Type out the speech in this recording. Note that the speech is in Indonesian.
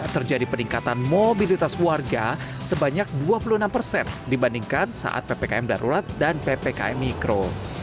terjadi peningkatan mobilitas warga sebanyak dua puluh enam persen dibandingkan saat ppkm darurat dan ppkm mikro